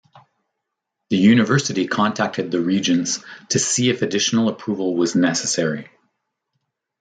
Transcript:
The university contacted the Regents to see if additional approval was necessary.